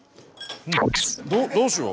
どうしよう。